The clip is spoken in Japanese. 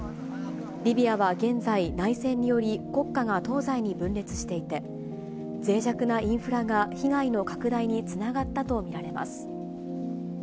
リビアは現在、内戦により国家が東西に分裂していて、ぜい弱なインフラが被害の拡大につながったと見られます。